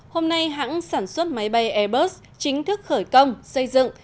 hôm nay hãng sản xuất máy bay airbus chính thức khởi công xây dựng